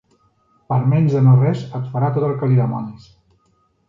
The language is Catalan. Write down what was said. Per menys de no res et farà tot el que li demanis.